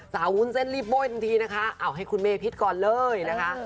สาววุ้นเซ่นรีบโบ๊ยทั้งทีนะคะเอาให้คุณเมพิชน์ก่อนเลยนะคะ